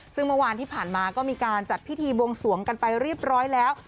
ซึ่งเมื่อวานที่ผ่านมาก็มีการจัดพิธีบวงสวงกันไปเรียบร้อยแล้ว